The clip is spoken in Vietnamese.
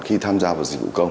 khi tham gia vào dịch vụ công